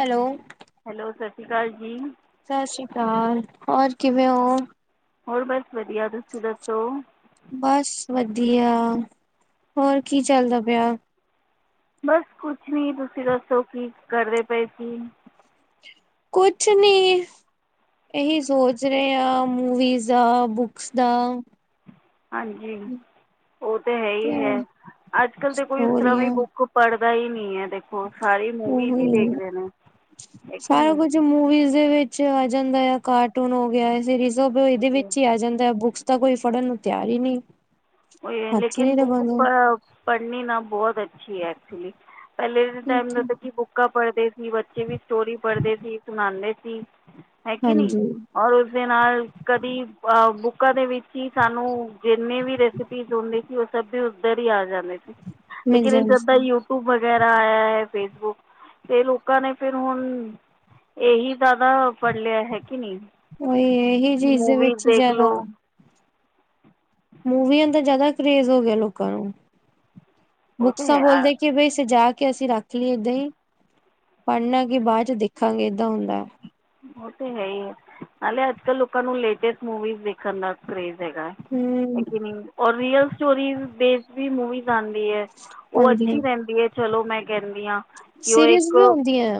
Hello. Hello ਸਤਿ ਸ਼੍ਰੀ ਅਕਾਲ ਜੀ। ਸਤਿ ਸ੍ਰੀ ਅਕਾਲ ਹੋਰ ਕਿਵੇਂ ਓ। ਹੋਰ ਬਸ ਵਧੀਆ ਤੁਸੀਂ ਦੱਸੋ। ਬਸ ਵਧੀਆ ਹੋਰ ਕੀ ਚੱਲਦਾ ਪਿਆ। ਬਸ ਕੁਛ ਨੀਂ, ਤੁਸੀਂ ਦੱਸੋ ਕੀ ਕ ਅਰਦੇ ਪਏ ਸੀ। ਕੁਛ ਨੀਂ। ਇਹੀ ਸੋਚ ਰਹੇ ਆ ਮੂਵੀਜ਼ ਦਾ, ਬੁਕਸ ਦਾ। ਹਾਂਜੀ ਉਹ ਤੇ ਹੈ ਹੀ ਹੈ। ਅੱਜ ਕਲ ਤੇ ਕੋਈ ਉਸ ਹੋ ਤਰ੍ਹਾਂ ਵੀ ਰਹੀਆਂ ਬੁੱਕ ਪੜ੍ਹਦਾ ਹੀ ਨੀ ਹੈ ਦੇਖੋ, ਸਾਰੇ ਮੂਵੀਜ਼ ਹੀ ਉਹੀ ਦੇਖਦੇ ਨੇ ਹੈ ਕੀ ਨੀ। ਜ਼ ਮੂਵੀਜ਼ ਦੇ ਵਿੱਚ ਆ ਜਾਂਦਾ ਯਾ ਕਾਰਟੂਨ ਹੋ ਗਿਆ, ਸੀਰੀਜ਼ਬ ਉਹ ਇਹਦੇ ਤੇ ਵਿੱਚ ਹੀ ਆ ਜਾਂਦਾ ਹੈ ਬੁੱਕਸ ਤਾਂ ਕੋਈ ਫੜਨ ਨੂੰ ਤਿਆਰ ਹੀ ਨਹੀਂ। ਓਹੀ ਹੈ ਹੱਥ ਹੀ ਲੇਕਿਨ ਨਹੀਂ ਬੁੱਕ ਪ ਲਗਾਉਂਦਾ ਅ ਪੜ੍ਹਨੀ ਨਾ ਬਹੁਤ ਅੱਛੀ ਹੈ ਐਕਚੁਲੀ। ਪਹਿਲੇ ਦੇ ਟਾਈਮ ਦਾ ਤਾਂ ਕੀ ਬੁ ਕਾ ਪੜ੍ਹਦੇ ਸੀ, ਬੱਚੇ ਵੀ ਸਟੋਰੀ ਪੜ੍ਹਦੇ ਸੀ, ਸੁਣਾਉਂਦੇ ਸੀ ਹੈ ਕੇ ਨੀਂ। ਹਾਂਜੀ ਔਰ ਉਸਦੇ ਨਾਲ ਕਦੀ ਅ ਬੁੱਕਾਂ ਦੇ ਵਿੱਚ ਹੀ ਸਾਨੂੰ ਜਿੰਨੇ ਵੀ ਰਿ ਫਕੀ ਸੁਣਦੇ ਸੀ ਉਹ ਸਭ ਵੀ ਉੱਧਰ ਹੀ ਆ ਜਾਂਦੇ ਸੀ। ਮਿਲ ਲੇਕਿਨ ਜਾਂਦੇ ਇਨ੍ਹਾਂ ਸਭ ਦਾ ਸੀ ਯ ਯੂਟੀਊਬ ਵਗੈਰਾ ਆਇਆ ਹੈ, ਫੇਸਬੁਕ ਤੇ ਲੋਕਾਂ ਨੇ ਫਿਰ ਹੁਣ ਇਹੀ ਜ਼ਿਆਦਾ ਫੜ੍ਹ ਲਿਆ ਹੈ ਕਿ ਨਹੀਂ। ਉਹੀ ਐ ਇਹੀ ਚੀਜ਼ ਦੇ ਮੂਵੀਜ਼ ਵਿੱਚ ਦੇਖ ਜਿਆਦਾ ਲਓ ਮੂਵੀਆਂ ਦਾ ਜ਼ਿਆਦਾ ਕਰੇਜ ਹੋ ਗਿਆ ਲੋਕਾਂ ਨੂੰ, ਉਹ ਤਾਂ ਬੁੱਕਸਾਂ ਹੈ ਬੋਲਦੇ ਕਿ ਬਈ ਸਜਾ ਕੇ ਅਸੀਂ ਰੱਖ ਲਈਏ ਏਦਾਂ ਹੀ, ਪੜ੍ਹਨਾ ਕਿ ਬਾਅਦ ਚ ਦੇਖਾਂਗੇ ਏਦਾਂ ਹੁੰਦਾ। ਉਹ ਤੇ ਹੇ ਹੀ, ਨਾਲੇ ਅੱਜ ਕੱਲ ਲੋਕਾਂ ਨੂੰ ਲੇਟੈਸਟ ਮੂਵੀਜ਼ਸ ਦੇਖਣ ਦਾ ਕਰੇਜ਼ ਹੈਗਾ ਹੈ। ਹਮ ਇੱਕ ਮਿੰਟ ਔਰ ਰੀਅਲ ਸਟੋਰੀਜ਼ ਬੇਸ਼ਡ ਵੀ ਮੂਵੀਜ਼ ਆਂਦੀ ਏ। ਉਹ ਆਉਂਦੀਆਂ ਅੱਛੀ ਰਹਿੰਦੀ ਹੈ ਚਲੋ ਮੈਂ ਕਹਿੰਦੀ ਹਾਂ, ਕਿ ਉਹ ਸੀਰੀਜ਼ ਇੱਕ ਵੀ ਆਉਂਦੀਆਂ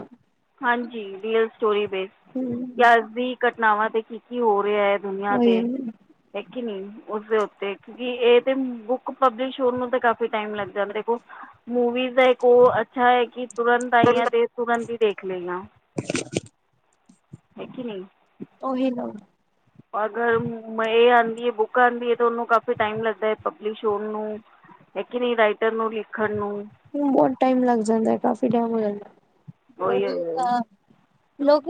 ਹਾਂਜੀ ਰੀਅਲ ਸਟੋਰੀ ਬੇਸਡ ਹਮ ਯਾ ਆਜ ਦੀ ਘਟਨਾਵਾਂ ਤੇ ਕੀ-ਕੀ ਹੋ ਰਿਹਾ ਐ। ਦੁਨੀਆਂ ਉਹੀ ਤੇ ਦੇਖੀ ਨੀ ਉਸਦੇ ਉਤੇ ਜੀ ਏ ਤੇ ਬੁੱਕ ਪਬਲਿਸ਼ ਹੋਨ ਨੂੰ ਤਾਂ ਕਾਫੀ ਟਾਈਮ ਲੱਗ ਜਾਂਦੈ ਦੇਖੋ ਮੂਵੀ ਦਾ ਏਕ ਓ ਅੱਛਾ ਹੈ ਕਿ ਤੁਰੰਤ ਆਈਆਂ ਤੇ ਤੁਰੰਤ ਹੀ ਦੇਖ ਲਈਆਂ। [inaudible] ਦੇਖੀ ਨਈ ਉਹੀ [inaudible] ਅਗਰ ਮ ਏ ਆਂਦੀ ਏ, ਬੁੱਕ ਆਂਦੀ ਏ ਤੇ ਓਨੂੰ ਕਾਫੀ ਟਾਈਮ ਲੱਗਦਾ ਐ ਪਬਲਿਸ਼ ਹੋਨ ਨੂੰ। ਹੈ ਕੀ ਨਈ ਰਾਈਟਰ ਨੂੰ ਲਿਖਣ ਨੂੰ। ਹੂੰ ਬੋਤ ਟਾਈਮ ਲੱਗ ਜਾਂਦਾ ਕਾਫੀ ਟਾਈਮ ਹੋ ਉਹੀ ਹੋਇਆ। [unintelligible] ਲੋਕ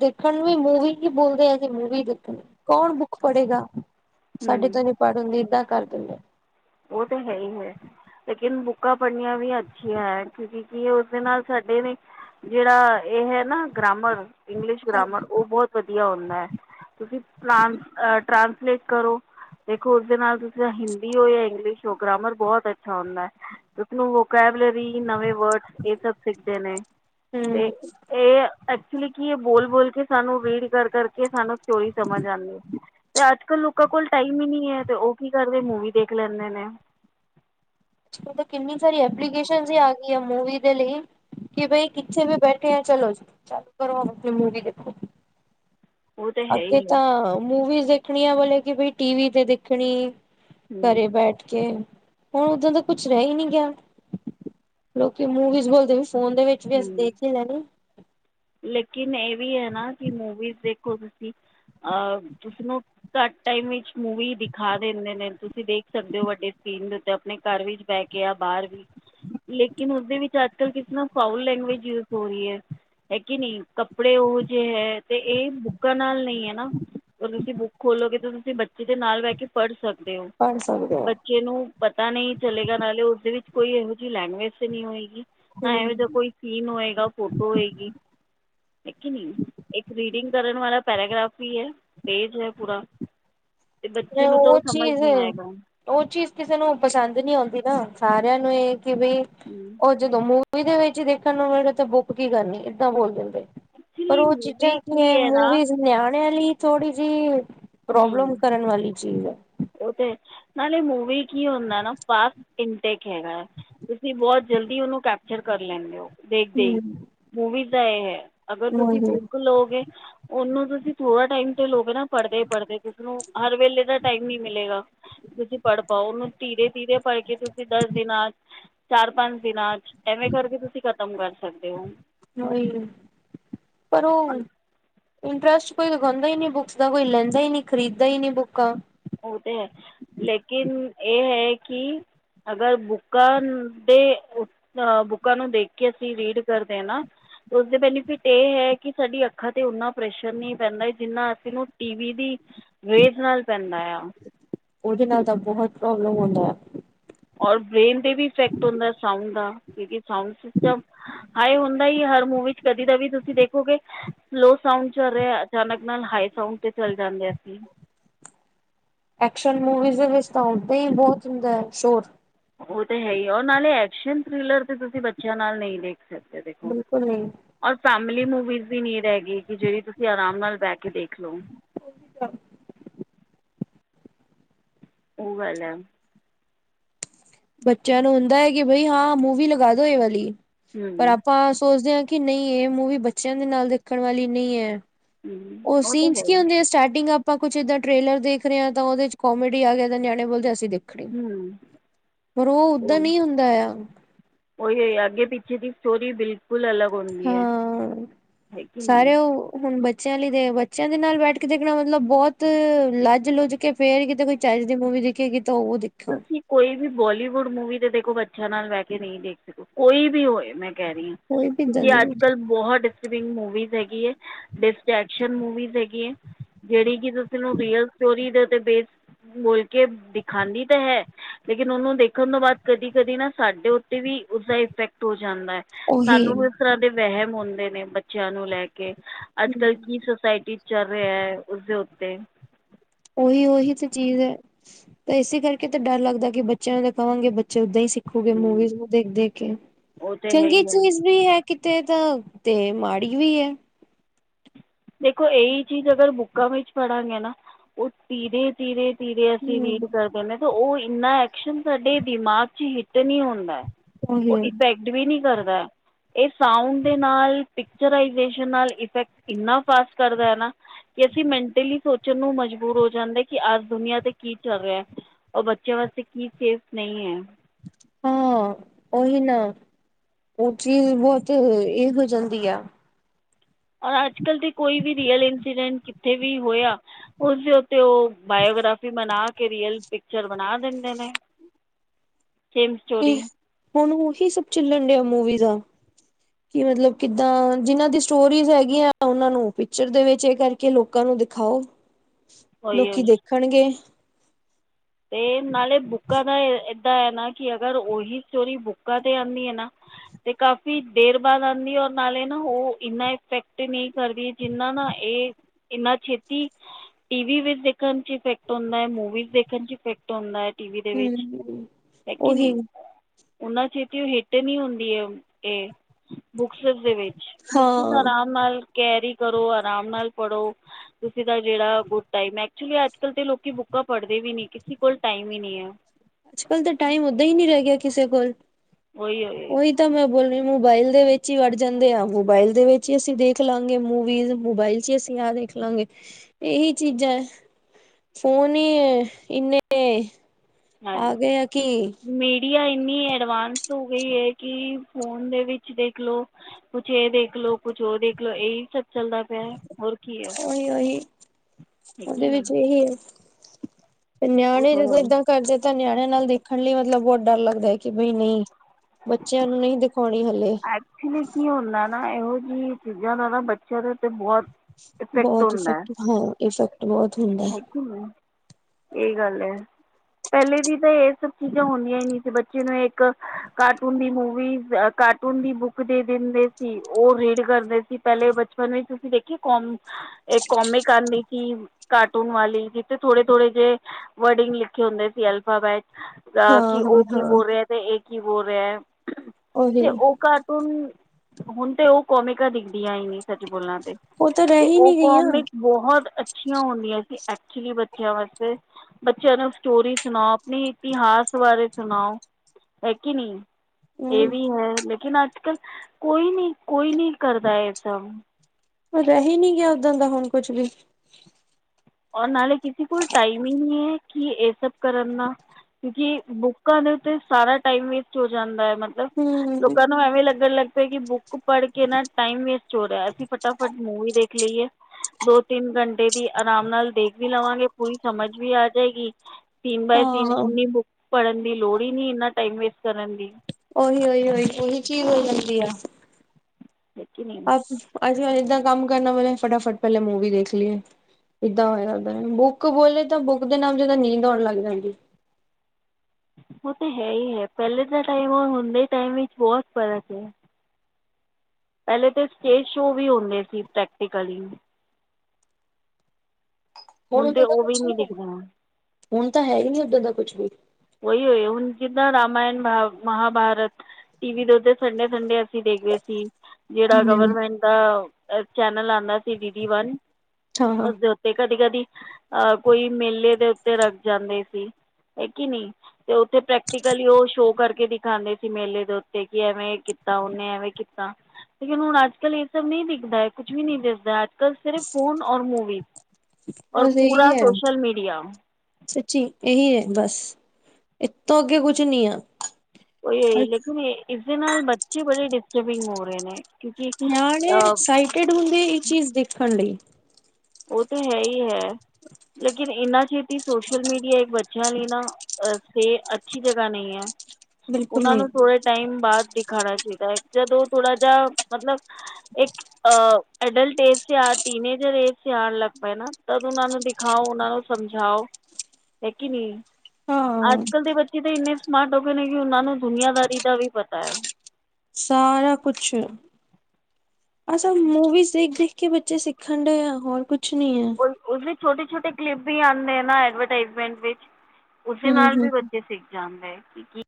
ਦੇਖਣ ਨੂੰ ਵੀ ਮੂਵੀ ਹੀ ਬੋਲਦੇ ਆ ਕਿ ਮੂਵੀ ਦੇਖਣ ਕੌਣ ਬੁੱਕ ਪੜੇਗਾ, ਸਾਡੇ ਹੂੰ ਤੋਂ ਨੀ ਪੜ ਹੁੰਦੀ ਏਦਾਂ ਕਰ ਦੇਂਦੇ। ਓ ਤਾਂ ਹੈ ਹੀ ਹੈ ਲੇਕਿਨ ਬੁੱਕਾਂ ਪੜਨੀਆਂ ਵੀ ਅੱਛੀਆਂ ਐ ਕਿਉਂਕਿ ਕੀ ਉਸਦੇ ਨਾਲ ਸਾਡੇ ਨੇ ਜੇੜਾ ਏ ਹੈ ਨਾ ਗ੍ਰਾਮਰ ਇੰਗਲਿਸ਼ ਗ੍ਰਾਮਰ ਓ ਬੋਤ ਵਦੀਆ ਹੁੰਦਾ ਐ। ਤੁਸੀਂ ਟਰਾਂਸ ਅ ਟ੍ਰਾਂਸਲੇਟ ਕਰੋ ਦੇਖੋ ਉਸਦੇ ਨਾਲ ਤੁਸੀਂ ਹਿੰਦੀ ਹੋ ਜਾਂ- ਇੰਗਲਿਸ਼ ਹੋ ਗ੍ਰਾਮਰ ਬੋਤ ਅੱਛਾ ਹੁੰਦਾ ਐ, ਜਿਸਨੂੰ ਵੋਕੈਬਲਰੀ ਨਵੇਂ ਵਰਡਸ ਏ ਸਭ ਸਿੱਖਦੇ ਨੇ ਤੇ ਅੱਜ-ਕੱਲ ਏ ਐਕਚੁਲੀ ਕੀ ਏ ਬੋਲ-ਬੋਲ ਕੇ ਸਾਨੂੰ ਰੀਡ ਕਰ ਕਰਕੇ ਸਾਨੂੰ ਚ ਓਈ ਸਮਝ ਆਂਦੀ ਤੇ ਅੱਜ-ਕੱਲ ਲੋਕਾਂ ਕੋਲ ਟਾਈਮ ਈ ਨੀ ਐ ਤੇ ਓ ਕੀ ਕਰਦੇ ਮੂਵੀ ਦੇਖ ਲੈਂ ਦੇਨੇ ਨੇ। ਅੱਜ-ਕੱਲ ਤਾਂ ਕਿੰਨੀ ਸਾਰੀ ਐਪਲੀਕੇਸ਼ਨ ਈ ਆ ਗਈਆਂ ਮੂਵੀ ਦੇ ਲਈ। ਕਿ ਭਾਈ ਕਿੱਥੇ ਵੀ ਬੈਠੇ ਆ ਚਲੋ ਜੀ ਚਾਲੂ ਕਰੋ ਅਪਨੀ ਮੂਵੀ ਦੇਖੋ। ਉਹ ਤਾਂ ਹੈ ਅੱਗੇ ਹੀ ਹੈ ਤਾਂ ਮੂਵੀ ਦੇਖਣੀ ਆ ਵਾਲੀ ਕਿ ਟੀਵੀ ਤੇ ਦੇਖਣੀ। ਹੂੰ ਘਰੇ ਬੈਠ ਕੇ। ਹੁਨ ਉਦਾਂ ਦਾ ਕੁਛ ਰਹਿ ਈ ਨੀ ਗਿਆ ਲੋਕੀ ਮੂਵੀਜ਼ ਬੋਲਦੇ ਫੋਨ ਦੇ ਵਿੱਚ ਵੀ ਅਸੀਂ ਹੂੰ ਦੇਖ ਹੀ ਲੈਨੀ। ਲੇਕਿਨ ਏ ਵੀ ਹੈ ਨਾ ਕਿ ਮੂਵੀਜ਼ ਦੇਖੋ ਤੁਸੀਂ ਅਹ ਉਸਨੂੰ ਘੱਟ ਟਾਈਮ ਵਿੱਚ ਮੂਵੀ ਦਿਖਾ ਦੇਂਦੇ ਨੇ ਤੁਸੀਂ ਦੇਖ ਸਕਦੇ ਓ ਵੱਡੇ ਸਕਰੀਨ ਦੇ ਉੱਤੇ ਅਪਨੇ ਘਰ ਵਿੱਚ ਬੈ ਕੇ ਯਾ ਬਾਰ ਵੀ ਲੇਕਿਨ ਉਸਦੇ ਵਿੱਚ ਅੱਜ-ਕੱਲ ਕਿਤਨਾ ਫਾਊਲ ਲੈਂਗੁਏਜ ਯੂਜ ਹੋ ਰੀ ਐ ਹੈ ਕਿ ਨਈ ਕੱਪੜੇ ਉਹੋ ਜੇ ਹੈ ਤੇ ਏ ਬੁੱਕਾਂ ਨਾਲ ਨਈ ਹੈ ਨਾ ਤੁਸੀਂ ਬੁੱਕ ਖੋਲੋਗੇ ਤੇ ਤੁਸੀਂ ਬੱਚੇ ਦੇ ਨਾਲ ਬੈ ਕੇ ਪੜ ਸਕਦੇ ਓ ਪੜ੍ਹ ਸਕਦੇ ਹਾਂ ਬੱਚੇ ਨੂੰ ਪਤਾ ਨਈ ਚਲੇਗਾ ਨਾਲੇ ਉਸਦੇ ਵਿੱਚ ਕੋਈ ਇਹੋ ਜੀ ਲੈਂਗਏਜ ਤੇ ਨਈ ਹੋਏਗੀ ਨਾ ਇਹੋ ਜਾ ਹਮ ਕੋਈ ਸੀਨ ਹੋਏਗਾ, ਫੋਟੋ ਹੋਏਗੀ। ਹੈ ਕੀ ਨੀ ਇੱਕ ਰੀਡਿੰਗ ਕਰਨ ਵਾਲਾ ਪੈਰਾਗ੍ਰਾਫ ਹੀ ਹੈ ਪੇਜ ਹੈ ਪੂਰਾ। ਤੇ ਬੱਚੇ ਨੂੰ ਤਾਂ ਓ ਸਮਝ ਨੀ ਆਏਗਾ। ਓ ਚੀਜ਼ ਕਿਸੇ ਨੂੰ ਪਸੰਦ ਨੀ ਆਉਂਦੀ ਨਾ ਸਾਰਿਆਂ ਨੂੰ ਏ ਐ ਕਿ ਬਈ ਓ ਜਦੋਂ ਮੂ ਵੀ ਦੇ ਵਿੱਚ ਈ ਦੇਖਣ ਨੂੰ ਮਿਲ ਰੇ ਤੇ ਬੁੱਪ ਕੀ ਕਰਨੀ ਏਦਾਂ ਬੋਲ ਦੇਂਦੇ। ਪਰ ਐਕਚੁਲੀ ਓ ਚੀਜ਼ਾਂ ਮੂਵੀ ਕੀ ਐ ਹੈ ਮੂਵੀਜ਼ ਨਿਆਣਿਆਂ ਲਈ ਥੋੜੀ ਜੀ ਪ੍ਰੋਬਲਮ [unintelligible] ਵਾਲੀ ਚੀਜ਼ ਐ। ਓ ਤੇ ਨਾਲੇ ਮੂਵੀ ਕੀ ਹੁੰਦਾ ਨਾ ਫਾਸਟ ਇਨਟੇਕ ਹੈਗਾ ਐ। ਤੁਸੀਂ ਬੋਤ ਜਲਦੀ ਓਨੂੰ ਕੈਪਚਰ ਕਰ ਲੈਂਦੇ ਓ। ਦੇਖਦੇ ਈ, ਹਮ ਮੂਵੀਜ਼ ਦਾਂ ਏ ਹੈ ਅਗਰ ਤੁਸੀਂ ਉਹੀ ਬੁੱਕ ਲੋਗੇ ਓਨੂੰ ਤੁਸੀਂ ਥੋੜਾ ਟਾਈਮ ਤੇ ਲੋਗੇ ਨਾ ਪੜਦੇ-ਪੜਦੇ ਤੇ ਉਸਨੂੰ ਹਰ ਵੇਲੇ ਦਾ ਟਾਈਮ ਨੀ ਮਿਲੇਗਾ ਤੁਸੀਂ ਪੜ ਪਾਓ ਓਨੂੰ ਧੀਰੇ-ਧੀਰੇ ਪੜ ਕੇ ਤੁਸੀਂ ਦਸ ਦਿਨਾਂ ਚਾਰ-ਪੰਜ ਦਿਨਾਂ 'ਚ ਐਵੇਂ ਕਰਕੇ ਤੁਸੀਂ ਖ਼ਤਮ ਕਰ ਸਕਦੇ ਹੋ ਉਹੀ ਪਰ ਓ ਇੰਟਰਸਟ ਕੋਈ ਦਿਖਾਉਂਦਾ ਹੀ ਨੀ ਬੁੱਕਸ ਦਾ ਕੋਈ ਲੈਂਦਾ ਹੀ ਨੀ ਖਹੀਂ ਬੁੱਕਾ। ਓ ਤੇ ਹੈ ਲੇਕਿਨ ਏ ਹੈ ਕਿ ਅਗਰ ਬੁੱਕਾ ਦੇ ਹਾਂ ਬੁੱਕਾਂ ਨੂੰ ਦੇਖ ਕੇ ਅਸੀਂ ਰੀਡ ਕਰਦੇ ਆ ਨਾ। ਉਸਦੇ ਬੈਨੀਫਿਟ ਏ ਹੈ ਕਿ ਸਾਡੀ ਅੱਖਾਂ ਤੇ ਉਨਾ ਪ੍ਰੈਸ਼ਰ ਨੀ ਪੈਂਦਾ ਜਿੰਨਾ ਅਸੀਂ ਟੀਵ ਦੀ ਵੇਵਜ਼ ਨਾਲ ਪੈਂਦਾ ਆ। ਓਦੇ ਨਾਲ ਤਾਂ ਬੋਹਤ ਪ੍ਰੋਬਲਮ ਹੁੰਦਾ। ਔਰ ਬ੍ਰੇਨ ਤੇ ਵੀ ਇਫੈਕਟ ਹੁੰਦਾ ਸਾਉਡ ਦਾ ਕਿਉਕਿ ਸਾਉਡ ਸਿਸਟਮ ਹਾਈ ਹੂੰ ਦਾ ਈ ਹੈ ਹਰ ਮੂਵੀ ਚ ਕਦੀ-ਕਦੀ ਤੁਸੀਂ ਦੇਖੋਗੇ ਸਲੋ ਸਾਊਂਡ ਚਲ ਰਿਆ ਅਚਾਨਕ ਨਾਲ ਹਾਈ ਸਾਊਂਡ ਤੇ ਚੱਲ ਜਾਂਦੇ ਸੀ। ਐਕਸ਼ਨ ਮੂਵੀਜ਼ ਦੇ ਵਿੱਚ ਤਾਂ ਉਦਾਂ ਹੀ ਬੋਹਤ ਹੁੰਦਾ ਸ਼ੋਰ। ਉਹ ਤੇ ਹੈ ਹੀ ਆ ਔਰ ਨਾਲੇ ਐਕਸ਼ਨ ਥਰਿਲਰ ਤੇ ਤੁਸੀਂ ਬੱਚਿਆਂ ਨਾਲ ਨਈ ਦੇਖ ਅੱਛਾ ਦੇਖੋ ਬਿਲਕੁਲ ਨਹੀਂ ਔਰ ਫੈਮਿਲੀ ਮੂਵੀਜ਼ ਵੀ ਨੀ ਰਹਿ ਗਈ ਕੇ ਜੇੜੀ ਤੁਸੀਂ ਆਰਾਮ ਨਾਲ ਬੇਹ ਕੇ ਦੇਖ ਲੌ। [unintelligible] ਉਹ ਗੱਲ ਐ। ਬੱਚਿਆਂ ਨੂੰ ਹੁੰਦਾ ਹੈ ਕਿ ਬਈ ਹਾਂ ਮੂਵੀ ਲਗਾ ਦੋ ਏਹ ਵਾਲੀ ਪਰ ਹੂੰ ਆਪਾਂ ਸੋਚਦੇ ਹਾਂ ਕਿ ਨਈ ਏਹ ਮੂਵੀ ਬੱਚਿਆਂ ਦੇ ਨਾਲ ਦੇਖਣ ਵਾਲੀ ਨੀ ਹੈ। ਹੂੰ ਓਹ ਉਹ ਤਾਂ ਸੀਨ ਚ ਹੈ ਕੀ ਹੀ ਹੁੰਦੇ ਐ ਸਟਾਰਟਿੰਗ ਅਪ ਆਪਾਂ ਕੁੱਛ ਏਦਾ ਟ੍ਰੇਲਰ ਦੇਖ ਰਹੇ ਹਾਂ ਤਾਂ ਉਹਦੇ ਚ ਕੋਮੇਡੀ ਆ ਗਿਆ ਤਾ ਨਿਆਣੇ ਬੋਲਦੇ ਅਸੀਂ ਦੇਖ ਹੂੰ ਪਰ ਓ ਓਧਰ ਨੀ ਹੁੰਦਾ ਆ। ਉਹੀਓ ਐ ਅੱਗੇ ਪਿੱਛੇ ਦੀ ਸਟੋਰੀ ਬਿਲਕੁਲ ਅਲੱਗ ਹੁੰਦੀ ਹੈ ਹਾਂ ਹੈ ਕਿ ਨਹੀਂ ਸਾਰੇ ਓਹ ਹੁਣ ਬ ਬੱਚਿਆਂ ਲਈ ਦੇਖ ਬੱਚਿਆਂ ਦੇ ਨਾਲ ਬੈਠ ਕੇ ਦੇਖਣਾ ਮਤਲਬ ਬੋਹਤ ਲੱਜ-ਲੁੱਝ ਕੇ ਫੇਰ ਕਿਤੇ ਕੋਈ ਚਾਜ਼ ਦੀ ਮੂਵੀ ਦੇਖ ਗੀ ਤਾਂ ਓਹ ਦੇਖ ਤੁਸੀ ਕੋਈ ਵੀ ਬੋਲੀਵੁੱਡ ਮੂਵੀ ਤੇ ਦੇਖੋ ਬੱਚਿਆਂ ਨਾਲ ਬਹਿ ਕੇ ਨਈ ਦੇਖ ਸਕੋ ਕੋਈ ਵੀ ਹੋ ਮੈਂ ਕਹਿ ਰੀ ਆ। ਕੋਈ ਵੀ ਇੱਦਾਂ ਕਿਉਂਕਿ ਦੀ ਅੱਜ ਕੱਲ ਬਹੋਤ ਮੂਵੀਸ ਹੈਗੀ ਏ ਡਿਸਟ੍ਰੇਕਸ਼ਨ ਮੂਵੀਜ ਹੈਗੀ ਏ। ਜੇੜੀ ਕਿ ਤੁਸੀਂ ੳਨੂੰ ਰੀਅਲ ਸਟੋਰੀ ਦੇ ਬੇਸ ਬੋਲ ਕੇ ਦਿਖਾਦੀ ਓਹ ਤੇ ਹੈ ਲੇਕਿਨ ਉਹਨੂੰ ਦੇਖਣ ਤੋਂ ਬਾਦ ਕਦੀ-ਕਦੀ ਨਾ ਸਾਡੇ ਉੱਤੇ ਵੀ ਉਸਦਾ ਇਫੈਕਟ ਹੋ ਜਾਂਦਾ। ਉਹੀ ਸਾਨੂੰ ਇਸ ਤਰ੍ਹਾਂ ਦੇ ਵਹਿਮ ਹੁੰਦੇ ਨੇ ਬੱਚਿਆਂ ਨੂੰ ਲੈ ਕੇ ਅੱਜ ਕੱਲ ਹੂੰ ਕੀ ਸੁਸਾਇਟੀ ਚੱਲ ਰਿਆ ਉਸਦੇ ਉੱਤੇ। ਓਹੀ-ਓਹੀ ਤੇ ਚੀਜ਼ ਐ ਤੇ ਇਸੇ ਕਰਕੇ ਤਾਂ ਡਰ ਲੱਗਦਾ ਕਿ ਬੱਚਿਆਂ ਨੂੰ ਤਾਂ ਕਵਾਂਗੇ ਬੱਚੇ ਓਦਾਂ ਹੀ ਸਿੱਖ ਨ ਗੇ ਹੂੰ ਮੂਵੀਜ਼ ਨੂੰ ਦੇਖ- ਦੇਖ ਕੇ, ਉਹ ਤਾਂ ਹੈ ਚੰਗੀ ਹੀ ਹੈ ਚੀਜ਼ ਵੀ ਐ ਕਿਤੇ ਤਾਂ ਤੇ ਮਾੜੀ ਵੀ ਐ। ਦੇਖੋ ਏਹੀ ਚੀਜ਼ ਅਗਰ ਬੁੱਕਾਂ ਵਿੱਚ ਪੜਾਂਗੇ ਨਾ ਤੀਰੇ-ਤੀਰੇ, ਤੀਰੇ ਅਸੀਂ ਹੂੰ ਵੇਟ ਕਰ ਨੇ ਆ ਤੇ ਉਹ ਇੰਨਾ ਐਕਸ਼ਨ ਸਾਡੇ ਦਿਮਾਗ ਚ ਹਿੱਟ ਨੀ ਹੁੰਦਾ ਏ ਓਹ ਉਹੀ ਇਫੇਕ ਟ ਵੀ ਨੀ ਕਰਦਾ, ਏ ਸਾਊਂਡ ਦੇ ਨਾਲ ਪਿਕਚਰਾਈੇਜੇਸ਼ਨ ਨਾਲ ਇਫੈਕਟ ਇੰਨਾ ਪਾਸ ਕਰਦਾ ਐ ਨਾ। ਕਿ ਅਸੀਂ ਮੈਂਟਲੀ ਸੋਚਨ ਨੂੰ ਮਜਬੂਰ ਹੋ ਜਾਂਦੇ ਕਿ ਅੱਜ ਦੁਨੀਆਂ ਤੇ ਕੀ ਚੱਲ ਰਿਆ। ਔ ਬੱਚਿਆਂ ਵਾਸਤੇ ਕੀ ਸੇਫ ਨਈ ਐ। ਹਾਂ ਓਹੀ ਨਾ। ਓਹ ਚੀਜ਼ ਬਹੁਤ ਏਹ ਹੋ ਜਾਂਦੀ ਆ। ਅੱਜ ਕਲ ਤੇ ਕੋਈ ਵੀ ਰੀਅਲ ਇੰਸੀਡੈਂਟ ਕਿੱਥੇ ਵੀ ਹੋਇਆ ਉਸਦੇ ਉੱਤੇ ਓਹ ਬਾਓਗ੍ਰਾਫੀ ਬਣਾ ਕੇ ਰੀਅਲ ਪਿੱਚਰ ਬਣਾ ਦਿੰਦੇ ਨੇ। ਸੇਮ ਠੀਕ, ਸਟੋਰੀ ਹੁਣ ਉਹੀ ਸਭ ਚੱਲਣ ਡਿਆ ਮੂਵੀ ਦਾ ਕਿ ਮਤਲਬ ਕਿੱਦਾਂ ਜਿਨਾਂ ਦੀ ਸਟੋਰੀਜ਼ ਹੈਗੀਆਂ, ਓਹਨਾਂ ਨੂੰ ਪਿੱਚਰ ਦੇ ਵਿੱਚ ਏਹ ਕਰਕੇ ਕਿ ਲੋਕਾਂ ਨੂੰ ਦਿਖਾਓ, ਉਹੀ ਲੋਕੀ ਉਹੀ ਦੇਖਣਗੇ। ਤੇ ਨਾਲੇ ਬੁੱਕਾਂ ਦਾ ਏਦਾਂ ਹੈ ਨਾ, ਕਿ ਅਗਰ ਓਹੀ ਸਟੋਰੀ ਬੁੱਕਾਂ ਤੇ ਆਂਦੀ ਅ ਨਾ। ਤੇ ਕਾਫੀ ਦੇਰ ਬਾਦ ਆਂਦੀ ਓਰ ਨਾਲੇ ਨਾ ਉਹ ਇੰਨਾ ਇਫੈਕਟ ਨਹੀਂ ਕਰਦੀ। ਜਿੰਨਾ ਨਾ ਏਹ ਇਨਾ ਛੇਤੀ ਟੀਵੀ ਵਿਚ ਦੇਖਣ ਚ ਇਫੈਕਟ ਹੁੰਦਾ ਐ, ਮੁਵੀ ਚ ਦੇਖਣ ਚ ਇਫੈਕਟ ਹੋਂਦਾ ਅ ਟੀ-ਵੀ ਦੇ ਵਿੱਚ ਹੂੰ ਹੈ ਕੇ ਉਹੀ ਨੀ। ਓਨਾ ਛੇਤੀ ਹਿੱਟ ਨਹੀਂ ਹੁੰਦੀ ਹੈ, ਏਹ ਬੁਕਸਸ ਦੇ ਵਿੱਚ ਬੁਕਸਿਸ ਹਾਂ ਆਰਾਮ ਨਾਲ ਕੈਰੀ ਕਰੋ, ਆਰਾਮ ਨਾਲ ਪੜ੍ਹੋ ਤੁਸੀਂ ਦਾ ਜੇੜਾ ਗੁੱਡ ਟਾਈਮ ਅ। ਐਕਚੁਲੀ ਅੱਜ-ਕੱਲ੍ਹ ਤੇ ਲੋਕੀ ਬੁੱਕਾਂ ਪੜ੍ਹਦੇ ਦੇ ਵੀ ਨੀ ਕਿਸੀ ਕੋਲ ਟਾਈਮ ਈ ਨੀ ਅ। ਅੱਜ-ਕੱਲ੍ਹ ਤੇ ਟਾਈਮ ਓਦਾਂ ਈ ਨੀ ਰੈ ਗਿਆ, ਕਿਸੇ ਕੋਲ। ਓਈਓ ਏ ਉਹੀ ਤਾਂ ਮੈਂ ਬੋਲਰੀ ਮੋਬਾਇਲ ਦੇ ਵੇਚ ਈ ਵੜ ਜਾਂਦੇ ਆਂ, ਮੋਬਾਇਲ ਦੇ ਵੇੱਚ ਈ ਅਸੀਂ ਦੇਖ ਲਾਂਗੇ ਮੂਵੀਜ। ਮੋਬਾਇਲ ਚ ਹੀ ਅਸੀਂ ਆ ਦੇਖ ਲਾਂਗੇ, ਏਹੀ ਚੀਜ਼ਾਂ ਐ। ਫੋਨ ਈ ਇੰਨੇ ਆ ਹਾਂਜੀ ਗਏ ਆ ਕਿ ਮੀਡੀਆ ਇੰਨੀ ਐਡਵਾਂਸ ਹੋ ਗਈ ਏ ਕਿ ਫੋਨ ਦੇ ਵਿੱਚ ਦੇਖਲੋ ਕੁਛ ਏ ਦੇਖਲੋ, ਕੁਛ ਔ ਦੇਖਲੋ, ਏਹੀ ਸਭ ਚੱਲਦਾ ਪਿਆ ਅ। ਹੋਰ ਕੀ ਐ? ਓਈਓ ਹੀ ਓਦੇ ਵਿੱਚ ਵੀ ਐਹੀ ਐ ਤੇ ਉਹ ਨਿਆਣੇ ਤਾਂ ਜਦੋਂ ਹੈ ਐਦਾਂ ਕਰਦੇ ਤਾਂ ਨਿਆਣਿਆਂ ਨਾਲ ਦੇਖਣ ਲਈ ਮਤਲਬ ਬੌਤ ਡਰ ਲੱਗਦਾ ਕਿ ਬਈ ਨਯੀ ਬੱਚਿਆਂ ਨੂੰ ਨਈ ਦਿਖੋਣੀ ਹਲੇ। ਐਕਚੁਲੀ ਕੀ ਹੁੰਦਾ ਨਾ ਏਹੋ ਜਿ ਚੀਜ਼ਾਂ ਦਾ ਨਾ ਬੱਚਿਆਂ ਦੇ ਉੱਤੇ ਬੌਤ ਬੌਤ ਇਫੈਕਟ ਹਾਂ ਇਫੈਕਟ ਬੌਤ ਹੁੰਦਾ ਅ। ਹੂੰ, ਏਹ ਗੱਲ ਐ। ਪੈਲੇ ਵੀ ਤਾਂ ਏਹ ਸਭ ਚੀਜ਼ਾਂ ਹੁੰਦੀਆਂ ਈ ਨੀ ਸੀ ਬੱਚੇ ਨੂੰ ਏਕ ਕਾਰਟੂਨ ਦੀ ਮੂਵੀਸ ਅ ਕਾ ਟੂਨ ਦੀ ਬੁੱਕ ਦੇ ਦਿੰਦੇ ਸੀ, ਓਹ ਰੀਡ ਕਰਦੇ ਸੀ। ਪੈਲੇ ਬਚਪਨ ਵਿੱਚ ਤੁਸੀਂ ਦੇਖੀ ਕੋਮ ਏਕ ਕੌਮਿਕ ਆਂਦੀ ਸੀ ਕਾਰਟੂਨ ਵਾਲੀ ਜਿੱਥੇ ਥੋੜੇ-ਥੋੜੇ ਜੇ ਵਰਡਿੰਗ ਲਿਖੇ ਹੁੰਦੇ ਸੀ ਅਲਫਾਬੈਟ। ਅ ਹਾਂ ਕੀ ਹਾਂ ਓ ਕੀ ਹਾਂ ਬੋਲ ਰਿਆ ਤੇ ਏ ਕੀ ਬੋਲ ਰਿਆ ਉਹੀ ਤੇ ਓ ਕਾਰਟੂਨ, ਹੁਣ ਤੇ ਓਹ ਕੋਮਿਕਾਂ ਦਿਖਦੀਆਂ ਈ ਨੀ। ਸਚ ਬੋਲਾਂ ਤੇ। ਉਹ ਤਾਂ ਰਹਿ ਤੇ ਹੀ ਓਹ ਨਹੀਂ ਗਈਆਂ ਕੋਮਿਕ ਬਹੌਤ ਅ ਅਛੀਆਂ ਹੁੰਦੀਆਂ ਸੀ ਐਕਚੁਲੀ ਬੱਚਿਆਂ ਵਾਸਤੇ। ਬੱਚਿਆਂ ਨੂੰ ਸਟੋਰੀ ਸੁਣਾਓ, ਆਪਣੇ ਇਤਿਹਾਸ ਬਾਰੇ ਸੁਣਾਓ, ਹੈ ਕਿ ਨੀ। ਏਹ ਹਮ ਵੀ ਹੈ। ਲੇਕਿਨ ਅੱਜ-ਕੱਲ ਕੋਈ ਨੀ, ਕੋਈ ਨੀ ਕਰਦਾ ਏਹ ਸਬ। ਰਹ ਹੀ ਨੀ ਗਿਆ ਉਦਾਂ ਦਾ ਹੁਣ ਕੁਛ ਵੀ। ਔਰ ਨਾਲੇ ਕਿਸੇ ਕੋਲ ਟਾਈਮ ਈ ਨੀ ਹੈ ਕਿ ਏਹ ਸਭ ਕਰਨ ਨਾ। ਕਿਉਂਕਿ ਬੁੱਕਾਂ ਦੇ ਉੱਤੇ ਸਾਰਾ ਟਾਈਮ ਵੇਸਟ ਹੋ ਜਾਂਦਾ, ਮਤਲਬ ਹਮ ਲੋਕਾਂ ਨੂੰ ਐਵੇਂ ਲੱਗਣ ਲੱਗ ਪਿਆ ਕਿ ਬੁੱਕ ਪੜ੍ਹ ਕੇ ਨਾ ਟਾਈਮ ਵੇਸਟ ਹੋ ਰਿਆ, ਅਸੀਂ ਫਟਾਫਟ ਮੂਵੀ ਦੇਖ ਲਈਏ। ਦੋ-ਤਿੰਨ ਘੰਟੇ ਦੀ ਆਰਾਮ ਨਾਲ ਦੇਖ ਵੀ ਲਵਾਂਗੇ, ਪੂਰੀ ਸਮਝ ਵੀ ਆ ਜੇਗੀ। ਸੀਨ ਬਾਏ ਸੀਨ ਹਾਂ ਉਨੀ ਬੁੱਕਸ ਪੜ੍ਹਨ ਦੀ ਲੋੜ ਈ ਨੀ ਇਨਾ ਟਾਈਮ ਵੇਸਟ ਕਰਨ ਦੀ। ਓਹੀ-ਓਹੀ- ਓਹੀ, ਓਹੀ ਚੀਜ਼ ਹੋ ਜਾਂਦੀ ਆ। ਹੈ ਕਿ ਨਹੀਂ ਆਪ ਅਸੀ ਹਜੇ ਏਦਾਂ ਕੰਮ ਕਰਨਾ ਪੈਨੇ, ਫਟਾਫਟ ਪੈਲੇ ਮੂਵੀ ਦੇਖ ਲੀਏ। ਏਦਾਂ ਹੋਏਆ ਪੇਆ ਏ। ਬੁੱਕ ਬੋਲੇ ਤਾਂ ਬੁੱਕ ਦੇ ਨਾਮ ਤੇ ਤਾ ਨੀਂਦ ਔਣ ਲੱਗ ਜਾਂਦੀ। ਓ ਤੇ ਹੈ ਈ ਐ, ਪੈਲੇ ਦਾ ਟਾਈਮ ਔਰ ਹੁਣਦੇ ਟਾਈਮ ਵਿੱਚ ਬੌਤ ਫਰਕ ਏ। ਪੈਲੇ ਤੇ ਸਟੇਜ ਸ਼ੋਅ ਵੀ ਹੋਂਦੇ ਸੀ, ਪ੍ਰੈਕਟੀਕਲੀ। ਹੁਣ ਤਾਂ ਓਦਾਂ ਦਾ ਉਹ ਵੀ ਕੁਛ ਨੀ ਨਹੀਂ ਐ। ਦਿਖਦੇ ਹੁਣ ਹੁਣ ਤਾਂ ਹੈ ਈ ਨੀ ਓਦਾਂ ਦਾ ਕੁਛ ਵੀ। ਓਈ ਹੋਏ ਹੁਨ ਜਿੱਦਾਂ ਰਮਾਇਨ ਭਾ ਮਹਾਭਾਰਤ। ਟੀਵੀ ਦੇ ਉਤੇ ਸੰਡੇ-ਸੰਡੇ ਅਸੀ ਦੇਖਦੇ ਸੀ। ਜੇੜਾ ਗਵਰਮੈਂਟ ਦਾ ਅ ਚੈਨਲ ਆਂਦਾ ਸੀ, ਡੀ ਡੀ ਵਨ ਹਾਂ ਹਾਂ ਉਸਦੇ ਤੇ ਕਦੀ-ਕਦੀ ਅ ਕੋਈ ਮੇਲੇ ਦੇ ਉੱਤੇ ਰਖ ਜਾਂਦੇ ਸੀ। ਕਿਨੀ। ਤੇ ਓਥੇ ਪ੍ਰੈਕਟੀਕਲੀ ਓ ਸ਼ੋਅ ਕਰਕੇ ਦਿਖਾੰਦੇ ਸੀ ਮੇਲੇ ਦੇ ਉੱਤੇ ਕਿ ਐਵੇਂ ਕੀਤਾ, ਓਨੇ ਐਵੇਂ ਕੀਤਾ। ਲੇਕਿਨ ਹੁਣ ਅੱਜ-ਕੱਲ ਏਹ ਸਭ ਨੀ ਦਿਖਦਾ ਏ, ਕੁੱਛ ਵੀ ਨੀ ਦਿਸਦਾ ਅੱਜ ਕਲ ਸਿਰਫ ਫੋਨ ਔਰ ਮੂਵੀ, ਔਰ ਬਸ ਇਹੀ ਪੂਰਾ ਹੈ ਸੋਸ਼ਲ ਮੀਡੀਆ। ਸੱਚੀ ਏਹੀ ਐ ਬਸ। ਇਤੋਂ ਅੱਗੇ ਕੁੱਛ ਨੀ ਆ। ਓਈਓ ਔਰ ਲਕਮੀ ਇਸਦੇ ਨਾਲ ਬੱਚੇ ਬੜੇ ਡਿਸਟਰਬਿੰਗ ਹੋ ਰਏ ਨੇ। ਕਿਉਂਕਿ ਨਿਆਣੇ ਅ, ਐਕਸਾਈਟੀਡ ਹੁੰਦੇ ਏ ਚੀਜ ਦੇਖਣ ਲਈ। ਓ ਤੇ ਹੈ ਹੀ ਹੈ। ਲੇਕਿਨ ਇੰਨਾ ਛੇਤੀ ਸੋਸ਼ਲ ਮੀਡੀਆ ਏ ਬੱਚੇਆਂ ਲੀ ਨਾ ਅ ਸੇ ਅੱਛੀ ਜਗਾ ਨੀ ਐ, ਬਿਲਕੁਲ ਓਨਾਂ ਨਹੀਂ ਨੂੰ ਥੋੜੇ ਟਾਈਮ ਬਾਦ ਦਿਖਾਣਾ ਚਾਈਦੈ। ਜਦੋ ਥੋੜਾ ਜਾ ਮਤਲਬ ਇੱਕ ਅ ਐਡਲਟ ਏਜ ਤੇਆ ਟੀਨੇਜਰ ਏਜ ਤੇ ਆਨ ਲੱਗ ਪਏ ਨਾ ਤਦ ਓਨਾਂ ਨੂੰ ਦਿਖਾਓ ਓਨਾਂ ਨੂੰ ਸਮਝਾਓ ਹੈਕੀ ਨੀ। ਹਾਂ ਅੱਜ-ਕੱਲ ਦੇ ਬੱਚੇ ਤਾਂ ਇੰਨੇ ਸਮਾਰਟ ਹੋ ਗਏ ਨੇ ਕਿ ਓਨਾਂ ਨੂੰ ਦੁਨੀਆਂਦਾਰੀ ਦਾ ਵੀ ਪਤਾ ਐ। ਸਾਰਾ ਕੁਛ। ਅਸਲ ਮੂਵੀਜ਼ ਦੇਖ, ਦੇਖ ਕੇ ਬੱਚੇ ਸਿੱਖਣ ਡਏ ਆ ਹੋਰ ਕੁਛ ਨੀ ਐ। ਉਹ ਉਸਦੇ ਛੋਟੇ, ਛੋਟੇ ਕਲਿੱਪ ਵੀ ਆਂਦੇ ਐ ਨਾ ਐਡਵਰਟਾਈਜ਼ਮੈਂਟ ਵਿਚ। ਉਸਦੇ ਹਮ ਨਾਲ ਵੀ ਹਮ ਬੱਚੇ ਸਿੱਖ ਜਾਂਦੇ ਐ ਕਿ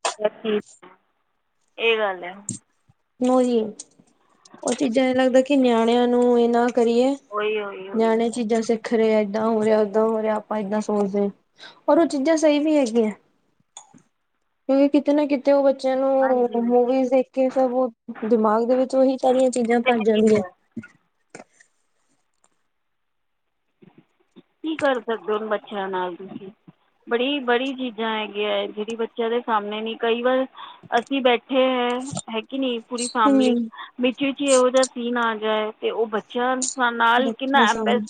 ਏ ਗੱਲ ਐ। ਨੋ ਜੀ ਓ ਚੀਜਾਂ ਏ ਲੱਗਦਾ ਕਿ ਨਿਆਣੇਆਂ ਨੂੰ ਏਨਾਂ ਕਰੀਏ ਉਹੀ ਉਹੀ ਉਹੀ ਨਿਆਣੇ ਚੀਜਾਂ ਸਿੱਖ ਰੇ ਏਦਾਂ ਹੋ ਰੇਆ, ਓਦਾਂ ਹੋ ਰੇਆ ਆਪਾਂ ਏਦਾਂ ਸੋਚਦੇ ਆਂ। ਔਰ ਓ ਚੀਜਾਂ ਸਈ ਵੀ ਹੈਗੀਆਂ। ਫਿਰ ਵੀ ਕਿਤੇ ਨਾ ਕਿਤ ਤੇ ਓ ਬੱਚੇਆਂ ਨੂੰ ਹਾਂਜੀ ਉਹ ਮੂਵੀਜ਼ ਦੇਖ ਕੇ ਸਭ ਓ ਦਿਮਾਗ ਦੇ ਵਿੱਚ ਓਹੀ ਸਾਰੀਆਂ ਚੀਜਾਂ ਤਾਂ ਭਰ ਹੈਗੀ ਜਾਂਦੀਐ। ਹੈ ਕੀ ਕਰ ਸਕਦੇ ਓ ਹੁਣ ਬੱਚੇਆਂ ਨਾਲ ਤੁਸੀ। ਬੜੀ, ਬੜੀ ਚੀਜਾਂ ਹੈਗੀਆਂ ਜੇੜੀ ਬੱਚੇਆਂ ਦੇ ਸਾਮਣੇ ਨੀ ਕਈ ਵਾਰ ਅਸੀ ਬੈਠੇ ਐ ਹੈਕੀ ਨੀ ਪੂਰੀ ਫੈਮਲੀ ਹਮ ਵਿੱਚ, ਵਿਚ ਏਹੋ ਜਾ ਸੀਨ ਆ ਜਾਏ ਤੇ ਓ ਬੱਚੇਆਂ ਨਾਲ ਬੱਚਿਆਂ ਕਿੰਨਾ ਏਮਬ ਸਾਹਮਣੇ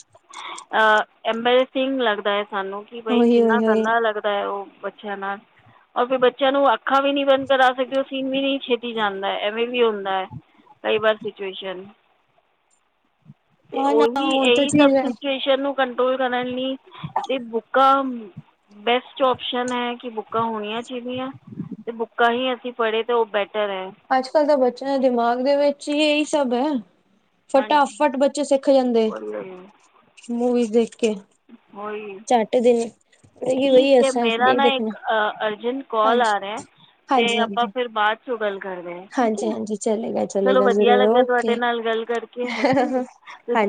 ਅ ਐਂਬੈਰੇਸਿੰਗ ਲੱਗਦਾ ਐ ਸਾਨੂੰ ਕਿ ਬਈ ਉਹੀ ਕਿੰਨਾ ਉਹੀ ਉਹੀ ਗੰਦਾ ਲੱਗਦਾ ਐ ਓ ਬ ਬੱਚੇਆਂ ਨਾਲ ਔਰ ਫਿਰ ਬੱਚੇਆਂ ਨੂੰ ਅੱਖਾ ਵੀ ਨੀ ਬੰਦ ਕਰਾ ਸਕਦੇ ਓ ਸੀਨ ਵੀ ਨੀ ਛੇਤੀ ਜਾਂਦਾ। ਐਵੇਂ ਵੀ ਹੁੰਦਾ ਐ। ਕਈ ਵਾਰ ਸਿਚੁਏਸ਼ਨ, ਤੇ ਹਾਂ ਨਾ ਓਹੀ ਉਹ ਤਾਂ ਏਹੀ ਚੀਜ਼ ਹੈ ਸਿਚੁਏਸ਼ਨ ਨੂੰ ਕੰਟਰੋਲ ਕਰਨ ਲਈ ਏ ਬੁੱਕਾਂ ਬੈਸਟ ਓਪਸ਼ਨ ਐ। ਕਿ ਬੁੱਕਾਂ ਹੋਣੀਆਂ ਚੀਦੀਆਂ ਤੇ ਬੁੱਕਾਂ ਹੀ ਅਸੀ ਪੜੇ ਤੇ ਓ ਬੈਟਰ ਐ। ਅੱਜ-ਕੱਲ ਤਾ ਬੱਚੇਆਂ ਦੇ ਦਿਮਾਗ ਦੇ ਵਿੱਚ ਈ ਏਈ ਸਭ ਐ। ਹਾਂਜੀ ਫਟਾਫਟ ਬੱਚੇ ਸਿੱਖ ਜਾਂਦੇ, ਉਹੀ ਉਹੀ ਮੂਵੀਜ਼ ਦੇਖ ਕੇ। ਉਹੀ ਝੱਟ ਦਿਨ ਵਹੀ ਠੀਕ ਐ। ਅਸਾਂ ਮੇਰਾ ਦੇ ਨਾ ਦੇਖਣਾ ਇੱਕ ਅਰਜੈਂਟ ਕੋਲ ਆ ਹਾਂਜੀ ਰੇਆ ਐ, ਤੇ ਹਾਂਜੀ ਹਾਂਜੀ ਆਪਾਂ ਫੇਰ ਬਾਦ ਬਾਅਦ ਚੋਂ ਗੱਲ ਕਰਨੇ ਆ ਠੀਕ ਹਾਂਜੀ ਹੈ। ਹਾਂਜੀ ਚਲੇਗਾ ਚਲੋ ਚਲੇਗਾ ਵਧੀਆ ਜ਼ਰੂਰ ਲੱਗਾ ਤੁਹਾਡੇ ਓਕੇ ਨਾਲ ਗੱਲ ਕਰਕੇ ਹੈ ਕੇ ਨੀ। ਹਾਂਜੀ